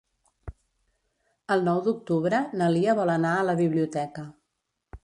El nou d'octubre na Lia vol anar a la biblioteca.